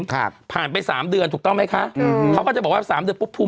ครับผ่านไปสามเดือนถูกต้องไหมคะอืมเขาก็จะบอกว่าสามเดือนปุ๊บภูมิ